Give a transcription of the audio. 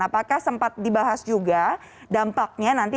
apakah sempat dibahas juga dampaknya nanti